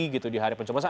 gitu di hari pencerbasan